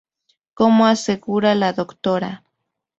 Como asegura la Dra.